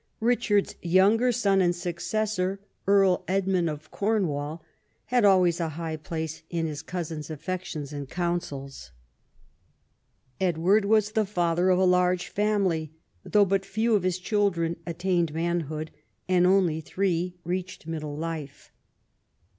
Richard's younger son and successor. Earl Edmund of Cornwall, had always a high place in his cousin's affections and counsels. Edward was the father of a large family, though but few of his children attained manhood, and only three reached middle life.